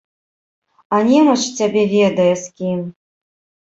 А немач цябе ведае, з кім!